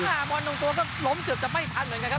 บอลหนึ่งตัวก็ล้มเกือบจะไม่ทันเหมือนกันครับ